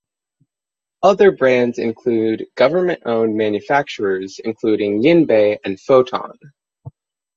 Other brands include government owned manufacturers including Jinbei and Foton.